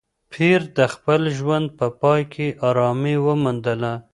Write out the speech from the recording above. پییر د خپل ژوند په پای کې ارامي وموندله.